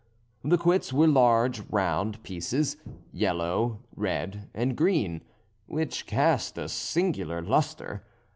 The quoits were large round pieces, yellow, red, and green, which cast a singular lustre!